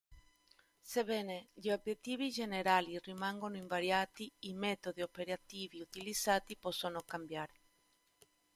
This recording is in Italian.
Sebbene gli obiettivi generali rimangano invariati, i metodi operativi utilizzati possono cambiare.